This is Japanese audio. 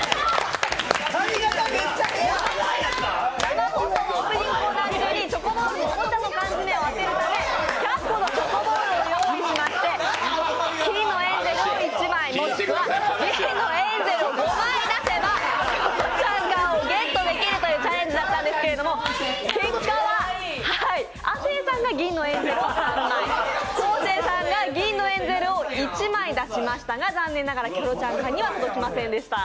生放送のオープニングコーナー中にチョコボールのおもちゃのカンヅメを当てるため１００個のチョコボールを用意しまして金のエンゼルを１枚、または銀のエンゼルを５枚出せばキョロちゃん缶をゲットできるというチャレンジだったんですけれども結果は亜生さんが銀のエンゼルを３枚、昴生さんが銀のエンゼルを１枚出しましたが残念ながら、キョロちゃん缶には届きませんでした。